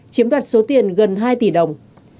chiếm đoạt số tiền gần hai tỷ đồng